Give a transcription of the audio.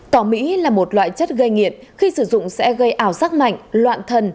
tỏ mỹ là một loại chất gây nghiện khi sử dụng sẽ gây ảo sắc mạnh loạn thần